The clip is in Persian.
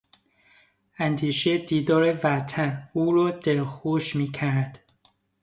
اندیشهی دیدار وطن او را دلخوش میکرد.